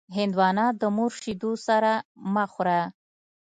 هندوانه د مور شیدو سره مه خوره.